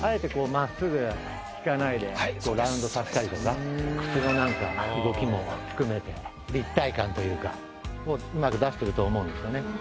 させたりとか靴の動きも含めて立体感というかうまく出してると思うんですよね。